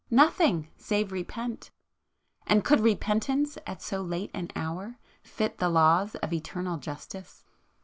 Nothing! save repent,—and could repentance at so late an hour fit the laws of eternal justice?